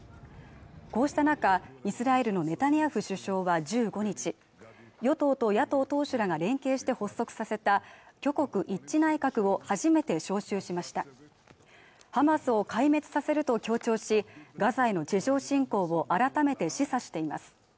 こうした中イスラエルのネタニヤフ首相は１５日与党と野党党首らが連携して発足させた挙国一致内閣を初めて招集しましたハマスを壊滅させると強調しガザへの地上侵攻を改めて示唆しています